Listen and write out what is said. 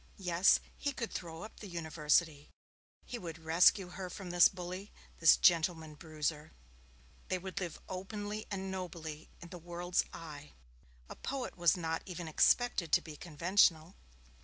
Yes, he could throw up the University. He would rescue her from this bully, this gentleman bruiser. They would live openly and nobly in the world's eye. A poet was not even expected to be conventional.